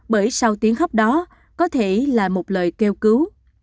bởi sau tiếng hốc đó có thể là một lời kêu cứu